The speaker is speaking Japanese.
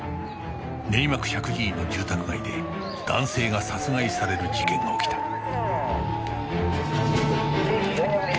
練馬区石神井の住宅街で男性が殺害される事件が起きた